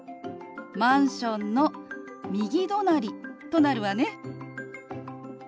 「マンションの右隣」となるわね。